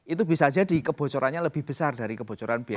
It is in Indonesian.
itu bisa jadi kebocorannya lebih besar dari kebocoran biaya